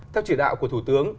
theo chỉ đạo của thủ tướng